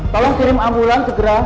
tolong kirim ambulan kegera